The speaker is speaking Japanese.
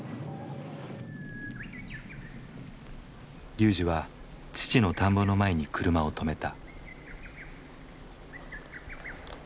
ＲＹＵＪＩは父の田んぼの前に車をとめた。